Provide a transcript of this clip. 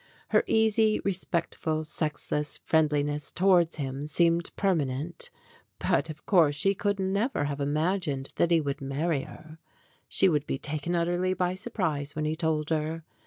Her easy, respectful, sex less friendliness towards him seemed permanent, but of course she could never have imagined that he would marry her. She would be taken utterly by surprise when he told her.